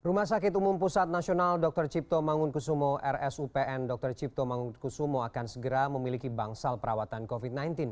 rumah sakit umum pusat nasional dr cipto mangunkusumo rsupn dr cipto mangunkusumo akan segera memiliki bangsal perawatan covid sembilan belas